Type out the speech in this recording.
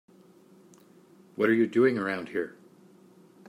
What are you doing around here?